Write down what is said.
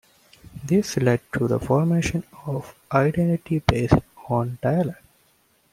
This led to the formation of identity based on dialect.